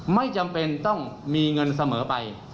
ไม่จำเป็นต้องมีเงินเสมอไป